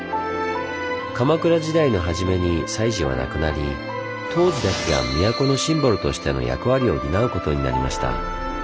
鎌倉時代の初めに西寺はなくなり東寺だけが都のシンボルとしての役割を担うことになりました。